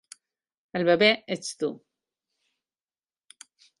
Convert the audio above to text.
El bebè ets tu!